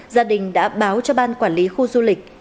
gia đình đã báo cho ban quản lý khu du lịch